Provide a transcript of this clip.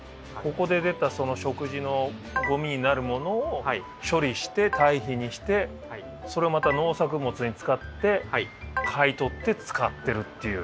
ここで出た食事のゴミになるものを処理して堆肥にしてそれをまた農作物に使って買い取って使ってるっていう。